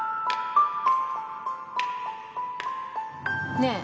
ねえ。